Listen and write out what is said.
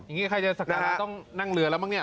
อย่างนี้ใครจะสักการะต้องนั่งเรือแล้วมั้งเนี่ย